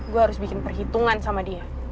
gue harus bikin perhitungan sama dia